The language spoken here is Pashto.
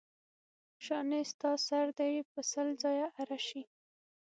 شانې ستا سر دې په سل ځایه اره شي.